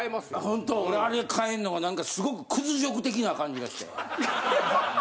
俺あれ換えんのが何かすごく屈辱的な感じがして。